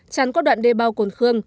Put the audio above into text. tràn qua đoạn đê bao cồn khương